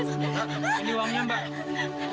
ini uangnya mbak